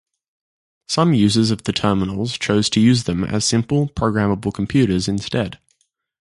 Some users of the terminals chose to use them as simple programmable computers instead.